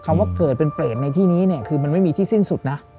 ว่าเกิดเป็นเปรตในที่นี้เนี่ยคือมันไม่มีที่สิ้นสุดนะ